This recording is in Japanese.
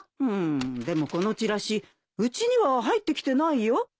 うんでもこのチラシうちには入ってきてないよ。